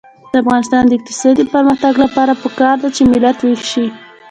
د افغانستان د اقتصادي پرمختګ لپاره پکار ده چې ملت ویښ شي.